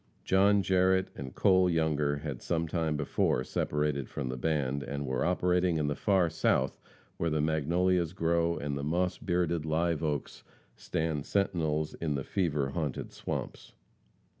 John Jarrette and Cole Younger had sometime before separated from the band, and were operating in the far South where the magnolias grow and the moss bearded live oaks stand sentinels in the fever haunted swamps.